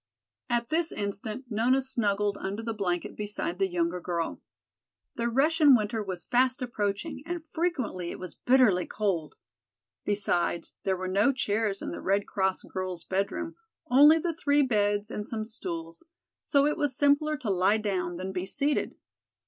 At this instant Nona snuggled under the blanket beside the younger girl. The Russian winter was fast approaching and frequently it was bitterly cold. Besides, there were no chairs in the Red Cross girls' bedroom, only the three beds and some stools, so it was simpler to lie down than be seated.